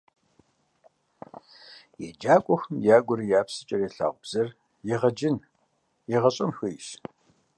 Еджакӏуэхэм ягурэ я псэкӏэ ялъагъу бзэр егъэджын, егъэщӏэн хуейщ.